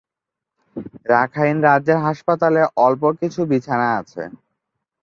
Rakhine রাজ্যের হাসপাতালে অল্প কিছু বিছানা আছে।